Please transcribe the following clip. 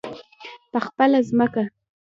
په خپله ځمکه.